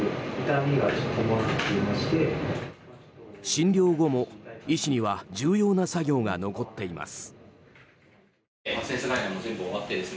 診療後も、医師には重要な作業が残っています。